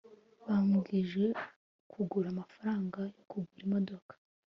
nabwirijwe kuguza amafaranga yo kugura imodoka